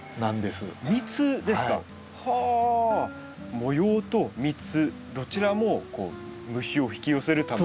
模様と蜜どちらも虫を引き寄せるため。